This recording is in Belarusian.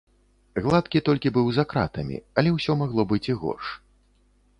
Гладкі толькі быў за кратамі, але ўсё магло быць і горш.